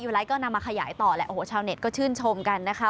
ไลท์ก็นำมาขยายต่อแหละโอ้โหชาวเน็ตก็ชื่นชมกันนะคะ